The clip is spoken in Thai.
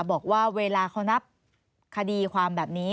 บอกว่าเวลาเขานับคดีความแบบนี้